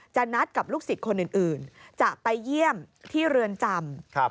นัดกับลูกศิษย์คนอื่นจะไปเยี่ยมที่เรือนจำ